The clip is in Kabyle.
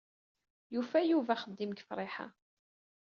Yufa Yuba axeddim deg Friḥa.